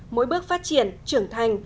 mỗi bước phát triển trưởng thành